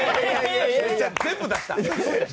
全部出した。